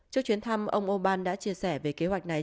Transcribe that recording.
trước chuyến thăm ông orbán đã chia sẻ về kế hoạch này